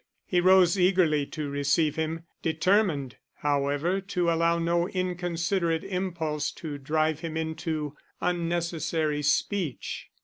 He rose eagerly to receive him, determined, however, to allow no inconsiderate impulse to drive him into unnecessary speech.